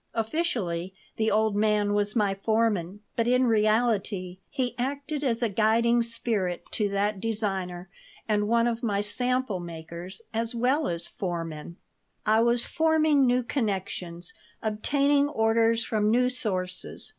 Officially the old man was my foreman, but in reality he acted as a guiding spirit to that designer and one of my sample makers, as well as foreman I was forming new connections, obtaining orders from new sources.